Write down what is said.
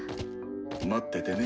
待っててね。